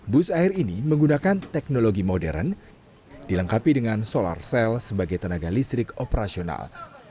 bus air ini menggunakan teknologi modern dilengkapi dengan solar cell sebagai tenaga listrik operasional